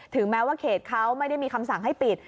แม้ว่าเขตเขาไม่ได้มีคำสั่งให้ปิด